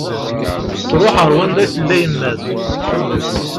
Truḥ ar wanda i tella yemma-s